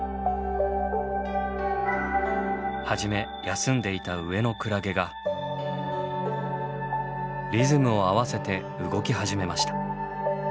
初め休んでいた上のクラゲがリズムを合わせて動き始めました。